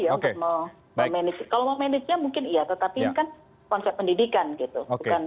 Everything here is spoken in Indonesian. ya untuk memanage kalau memanagenya mungkin iya tetapi ini kan konsep pendidikan gitu